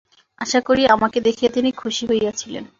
আশা করি, আমাকে দেখিয়া তিনি খুশি হইয়াছিলেন।